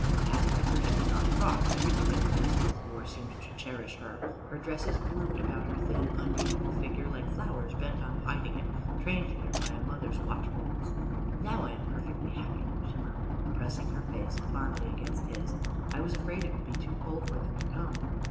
As to the forget me not frock, everything that Elizabeth wore seemed to cherish her; her dresses bloomed about her thin, unbeautiful figure like flowers bent on hiding it, trained there by a mother's watchfulness. "Now I am perfectly happy," she murmured, pressing her face fondly against his. "I was afraid it would be too cold for them to come."